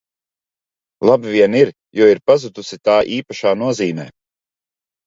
Labi vien ir, jo ir pazudusi tā īpašā nozīmē.